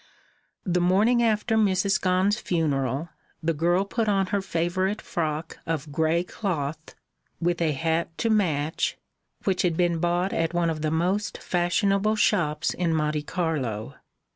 The morning after Mrs. Gone's funeral, the girl put on her favourite frock of grey cloth, with a hat to match, which had been bought at one of the most fashionable shops in Monte Carlo.